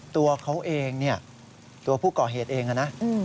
ตัวเขาเองเนี่ยตัวผู้ก่อเหตุเองนะ